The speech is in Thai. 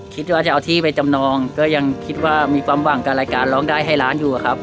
คิดว่าจะเอาที่ไปจำนองก็ยังคิดว่ามีความหวังกับรายการร้องได้ให้ล้านอยู่ครับ